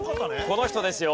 この人ですよ。